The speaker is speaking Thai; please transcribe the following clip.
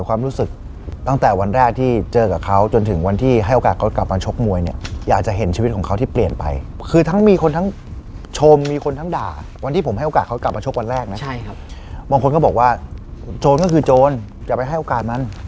บางคนก็บอกว่าโจรก็คือโจรอย่าไปให้โอกาสมัน